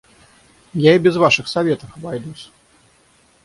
Я и без ваших советов обойдусь!